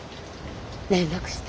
連絡した。